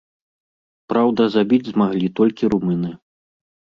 Праўда, забіць змаглі толькі румыны.